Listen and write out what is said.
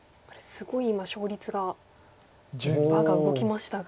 すごい今勝率がバーが動きましたが。